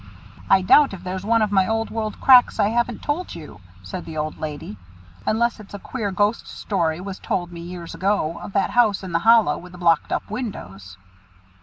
"I doubt if there's one of my old world cracks I haven't told you," said the old lady, "unless it's a queer ghost story was told me years ago of that house in the hollow with the blocked up windows."